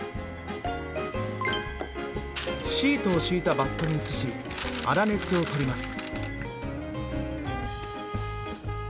シートを敷いたバットに移し粗熱を取ります。